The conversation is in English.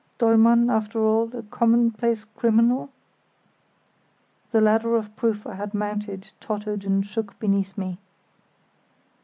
Dollmann after all a commonplace criminal? The ladder of proof I had mounted tottered and shook beneath me.